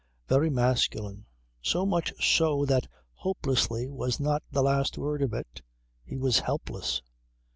Very masculine. So much so that "hopelessly" was not the last word of it. He was helpless.